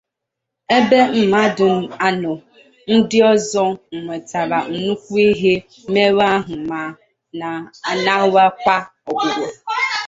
ebe mmadụ anọ ndị ọzọ nwetara nnukwu ihe mmerụ ahụ ma na-anarakwa ọgwụgwọ.